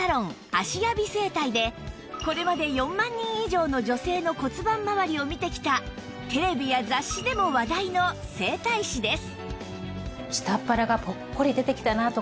芦屋美整体でこれまで４万人以上の女性の骨盤まわりを見てきたテレビや雑誌でも話題の整体師です